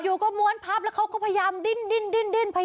อยู่ก็ม้วนพับแล้วเขาก็พยายามดิ้น